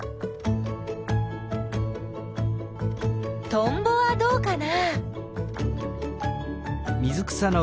トンボはどうかな？